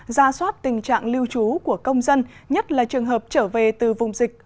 ra soát tình trạng lưu trú của công dân nhất là trường hợp trở về từ vùng dịch